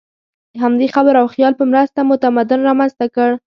د همدې خبرو او خیال په مرسته مو تمدن رامنځ ته کړ.